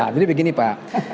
jadi begini pak